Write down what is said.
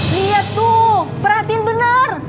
lihat tuh perhatiin bener